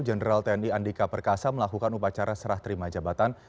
jenderal tni andika perkasa melakukan upacara serah terima jabatan